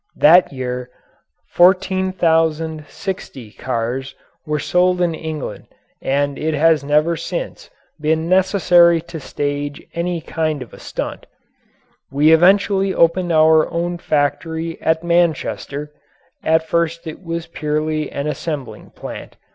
That year 14,060 cars were sold in England, and it has never since been necessary to stage any kind of a stunt. We eventually opened our own factory at Manchester; at first it was purely an assembling plant.